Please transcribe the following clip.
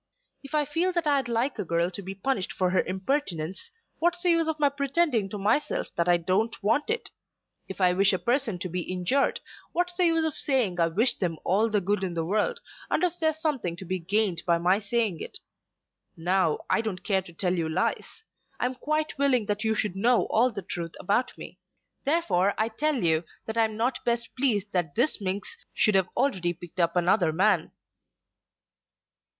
If I feel that I'd like a girl to be punished for her impertinence, what's the use of my pretending to myself that I don't want it? If I wish a person to be injured, what's the use of saying I wish them all the good in the world, unless there's something to be gained by my saying it? Now I don't care to tell you lies. I am quite willing that you should know all the truth about me. Therefore I tell you that I'm not best pleased that this minx should have already picked up another man."